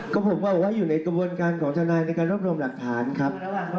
ก็ผมก็บอกว่าอยู่ในกระบวนการของทนายในการรวบรวมหลักฐานครับ